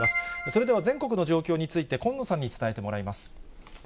それでは全国の状況について、近野さんに伝えてもらいます。